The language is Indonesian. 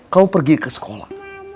kamu pergi ke sekolah